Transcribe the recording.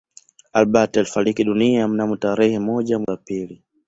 Albert alifariki dunia mnamo tarehe moja mwezi wa pili